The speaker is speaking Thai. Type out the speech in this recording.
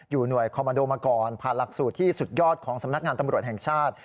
อยู่หน่วยคอมมาโดมกรพาหลักสูตรที่สุดยอดของสำนักงานตำรวจแห่งชาติ